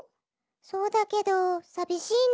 そうだけどさびしいの。